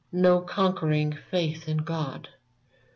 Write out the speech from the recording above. No conquering faith in God?